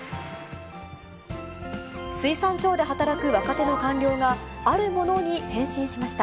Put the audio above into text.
水産庁で働く若手の官僚が、あるものに変身しました。